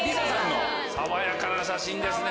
爽やかな写真ですね